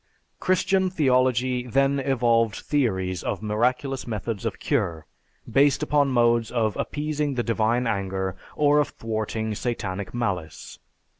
Christian theology then evolved theories of miraculous methods of cure, based upon modes of appeasing the divine anger, or of thwarting satanic malice.